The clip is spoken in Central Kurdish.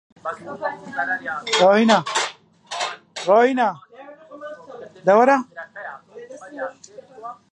دەتوانیت ئەوە دیاری بکەیت؟